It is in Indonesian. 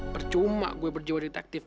bercuma gue berjiwa detektif